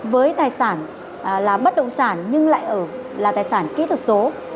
với tài sản là bất động sản nhưng lại là tài sản kỹ thuật số